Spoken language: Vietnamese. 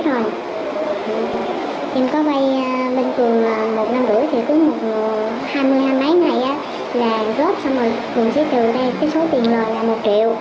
nhưng có vay bình thường một năm rưỡi thì cứ hai mươi hai mươi mấy ngày là góp xong rồi mình sẽ trừ ra cái số tiền lời là một triệu